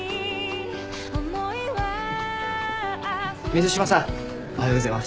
水島さんおはようございます。